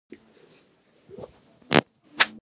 که چای وي، مجلس تود وي.